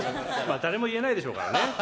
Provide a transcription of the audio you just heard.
誰も言えないでしょうからね。